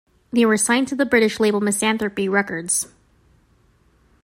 They were signed to the British label Misanthropy Records.